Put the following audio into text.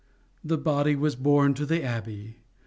The body was borne to the Abbey.